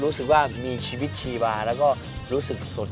รู้สึกว่ามีชีวิตชีวาแล้วก็รู้สึกสุด